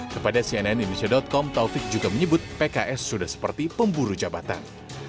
kepada cnn indonesia com taufik juga menyebut pks sudah seperti pemburu jabatan